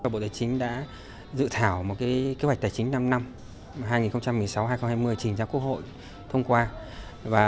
bộ tài chính đã dự thảo một kế hoạch tài chính năm năm hai nghìn một mươi sáu hai nghìn hai mươi trình ra quốc hội thông qua